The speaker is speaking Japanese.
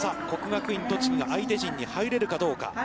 国学院栃木が相手陣に入れるかどうか。